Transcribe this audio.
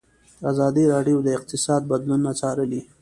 ازادي راډیو د اقتصاد بدلونونه څارلي.